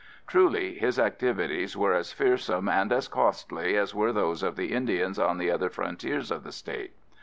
Truly, his activities were as fearsome and as costly as were those of the Indians on the other frontiers of the state.